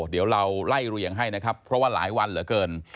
เดี๋ยวเราไล่เรียงให้นะครับเพราะว่าหลายวันเหลือเกิน